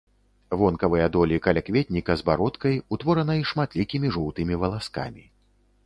Вонкавыя долі калякветніка з бародкай, утворанай шматлікімі жоўтымі валаскамі.